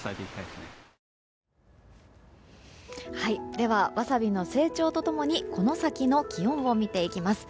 では、わさびの成長と共にこの先の気温を見ていきます。